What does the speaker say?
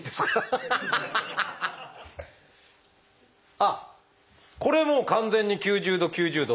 あっこれもう完全に９０度９０度。